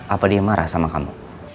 apa dia marah sama kamu